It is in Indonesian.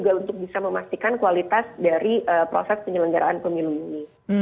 juga untuk bisa memastikan kualitas dari proses penyelenggaraan pemilu ini